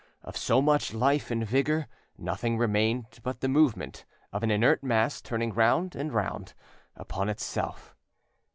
Of so much life and vigour nothing remained but the movement of an inert mass turning round and round upon itself.